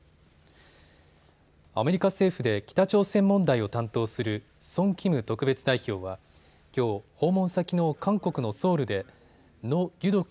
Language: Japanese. アメリカ政府で北朝鮮問題を担当するソン・キム特別代表はきょう、訪問先の韓国のソウルでノ・ギュドク